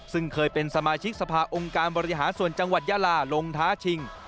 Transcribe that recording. ซึ่งเคยเป็นสมาชิกสภาองค์การบริหารส่วนจังหวัดยาลาลงท้าชิง